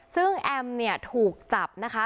ซึ่งแอมเนี่ยถูกจับนะคะ